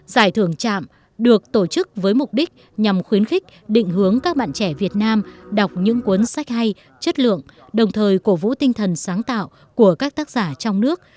giải thưởng trạm được tổ chức với mục đích nhằm khuyến khích định hướng các bạn trẻ việt nam đọc những cuốn sách hay chất lượng đồng thời cổ vũ tinh thần sáng tạo của các tác giả trong nước